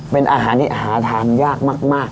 เป็นอาหารทานยากมาก